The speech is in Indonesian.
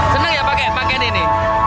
senang ya pakaian ini